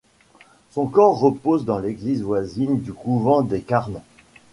Son corps repose dans l’église voisine du couvent des Carmes.